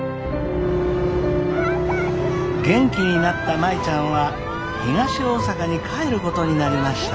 元気になった舞ちゃんは東大阪に帰ることになりました。